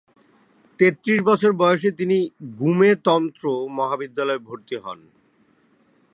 তেত্রিশ বছর বয়সে তিনি গ্যুমে তন্ত্র মহাবিদ্যালয়ে ভর্তি হন।